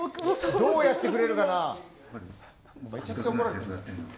どうやってくれるかな。